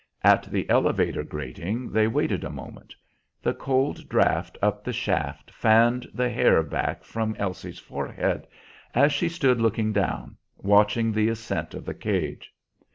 At the elevator grating they waited a moment; the cold draft up the shaft fanned the hair back from Elsie's forehead as she stood looking down, watching the ascent of the cage.